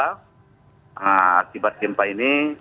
akibat gempa ini